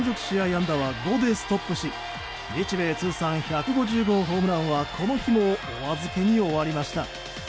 安打は５でストップし日米通算１５０号ホームランはこの日もお預けに終わりました。